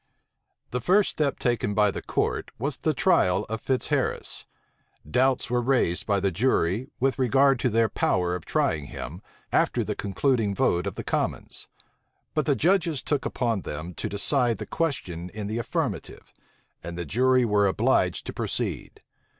The first step taken by the court was the trial of Fitzharris. Doubts were raised by the jury with regard to their power of trying him, after the concluding vote of the commons: but the judges took upon them to decide the question in the affirmative, and the jury were obliged to proceed.